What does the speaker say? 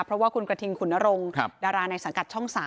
เพราะว่าคุณกระทิงขุนนรงดาราในสังกัดช่อง๓